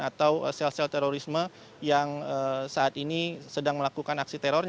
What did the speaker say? atau sel sel terorisme yang saat ini sedang melakukan aksi teror